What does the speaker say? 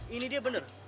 ini dia bener